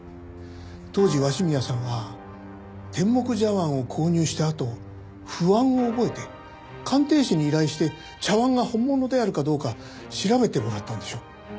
当時鷲宮さんは天目茶碗を購入したあと不安を覚えて鑑定士に依頼して茶碗が本物であるかどうか調べてもらったのでしょう。